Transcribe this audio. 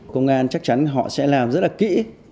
công an chắc chắn họ sẽ làm rất là kỹ